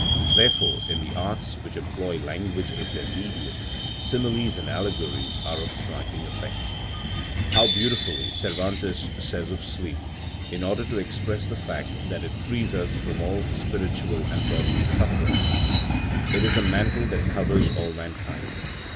Therefore, in the arts which employ language as their medium, similes and allegories are of striking effect. How beautifully Cervantes says of sleep in order to express the fact that it frees us from all spiritual and bodily suffering, "It is a mantle that covers all mankind."